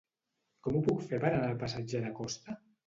Com ho puc fer per anar al passatge de Costa?